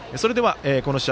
この試合